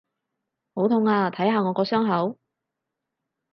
好痛啊！睇下我個傷口！